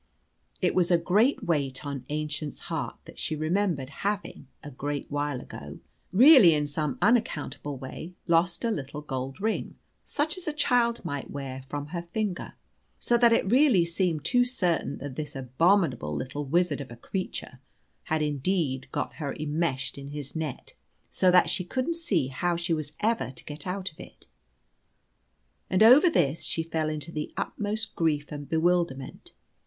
It was a great weight on Aennchen's heart that she remembered having, a great while ago, really in some unaccountable way lost a little gold ring, such as a child might wear, from her finger. So that it really seemed too certain that this abominable little wizard of a creature had indeed got her immeshed in his net, so that she couldn't see how she was ever to get out of it. And over this she fell into the utmost grief and bewilderment.